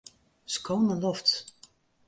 Sko nei lofts.